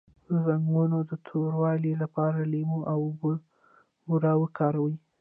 د زنګونونو د توروالي لپاره لیمو او بوره وکاروئ